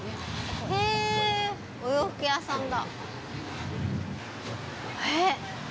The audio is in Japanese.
お洋服屋さんだ。